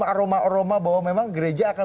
aroma aroma bahwa memang gereja akan